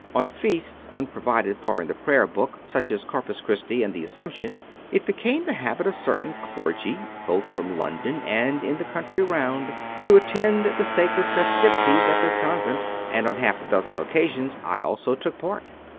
On feasts unprovided for in the Prayer Book, such CONFESSIONS OF A CONVERT 55 as Corpus Christi and the Assumption, it became the habit of certain clergy, both from London and in the country round, to attend the sacred festivities at this convent, and on half a dozen occasions I also took part.